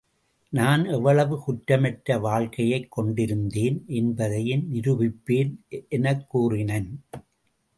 நான் எவ்வளவு குற்றமற்ற வாழ்க்கையைக் கொண்டிருந்தேன் என்பதையும் நிரூபிப்பேன் எனக் கூறினன்.